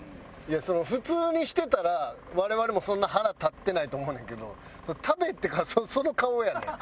その普通にしてたら我々もそんな腹立ってないと思うねんけど食べてからその顔やねん。